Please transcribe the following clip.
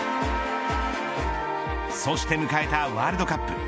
そして迎えたワールドカップ。